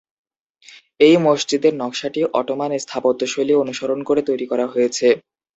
এই মসজিদের নকশাটি অটোমান স্থাপত্যশৈলী অনুসরণ করে তৈরি করা হয়েছে।